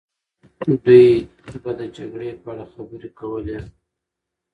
دوی به د جګړې په اړه خبرې کولې.